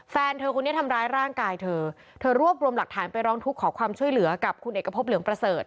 แฟนเธอคนนี้ทำร้ายร่างกายเธอเธอรวบรวมหลักฐานไปร้องทุกข์ขอความช่วยเหลือกับคุณเอกพบเหลืองประเสริฐ